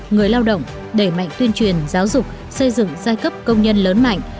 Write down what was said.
người lao động đẩy mạnh tuyên truyền giáo dục xây dựng giai cấp công nhân lớn mạnh